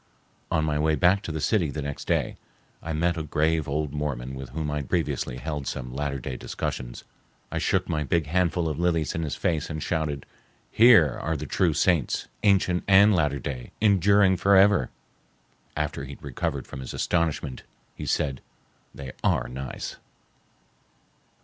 On my way back to the city, the next day, I met a grave old Mormon with whom I had previously held some Latter Day discussions. I shook my big handful of lilies in his face and shouted, "Here are the true saints, ancient and Latter Day, enduring forever!" After he had recovered from his astonishment he said, "They are nice."